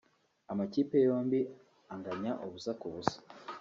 amakipe yombi anganya ubusa ku busa